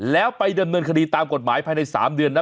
แล้วไปดำเนินคดีตามกฎหมายภายใน๓เดือนนะ